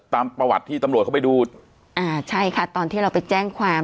ตามประวัติที่ตำรวจเข้าไปดูอ่าใช่ค่ะตอนที่เราไปแจ้งความ